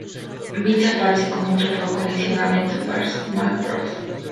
Vince aparece como un trofeo coleccionable en "Super Smash Bros.